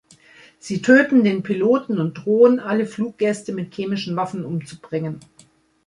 Sie töten den Piloten und drohen, alle Fluggäste mit chemischen Waffen umzubringen.